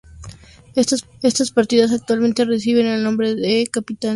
Estas partidas usualmente reciben el nombre de capital de trabajo.